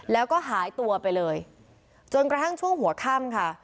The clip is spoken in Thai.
แล้วก็หายตัวไปเลยจนกระทั่งช่วงหัวค่ำค่ะ